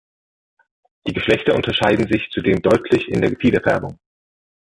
Die Geschlechter unterscheiden sich zudem deutlich in der Gefiederfärbung.